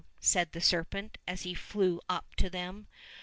" said the serpent as he flew up to them.